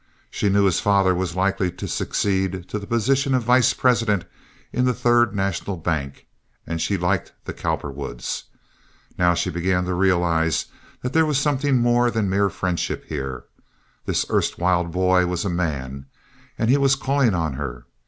She knew his father was likely to succeed to the position of vice president in the Third National Bank, and she liked the Cowperwoods. Now she began to realize that there was something more than mere friendship here. This erstwhile boy was a man, and he was calling on her.